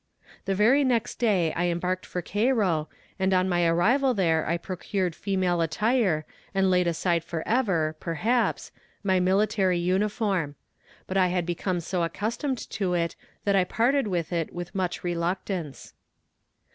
The very next day I embarked for Cairo, and on my arrival there I procured female attire, and laid aside forever (perhaps) my military uniform; but I had become so accustomed to it that I parted with it with much reluctance.